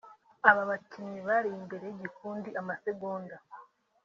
Aba bakinnyi bari imbere y'igikundi amasegonda (")